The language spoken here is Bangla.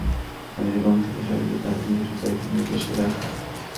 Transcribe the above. তিনি প্রতি পাঁচ বছরে নয়টি মালয় রাজ্যের বংশধর শাসকদের দ্বারা নির্বাচিত একজন নির্বাচিত রাজা।